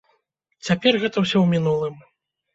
Цяпер гэта ўсё ў мінулым.